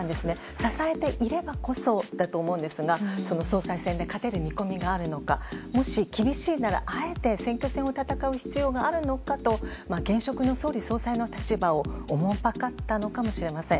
支えていればこそだと思うんですが、その総裁選で勝てる見込みがあるのか、もし厳しいなら、あえて選挙戦を戦う必要があるのかと、現職の総理総裁の立場をおもんぱかったのかもしれません。